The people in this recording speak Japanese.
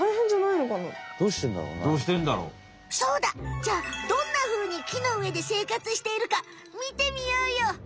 じゃあどんなふうに木の上で生活しているか見てみようよ！